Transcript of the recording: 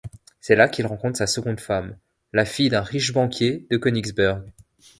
C'est là qu'il rencontre sa seconde femme, la fille d'un riche banquier de Königsberg.